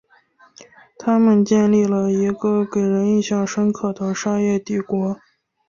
他们建立了一个给人印象深刻的商业帝国。